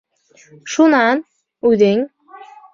Шунан, үҙең?